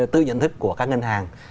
tự nhận thức của các ngân hàng